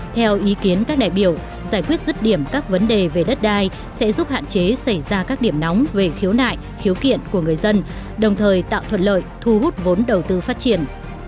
theo ý kiến các đại biểu giải quyết rứt điểm các vấn đề về đất đai sẽ giúp hạn chế xảy ra các điểm nóng về khiếu nại khiếu kiện của người dân đồng thời tạo thuận lợi thu hút vốn đầu tư phát triển